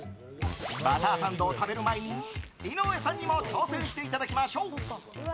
バターサンドを食べる前に井上さんにも挑戦していただきましょう。